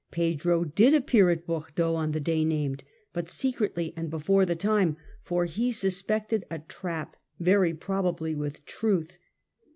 Pedro did appear at Bordeaux on the day named, but secretly and before the time, for he sus pected a trap, very probably with truth.